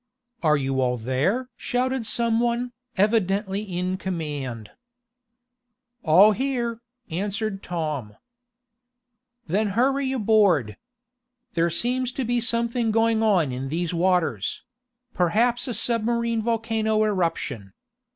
"Are you all there?" shouted some one, evidently in command. "All here," answered Tom. "Then hurry aboard. There seems to be something going on in these waters perhaps a submarine volcano eruption.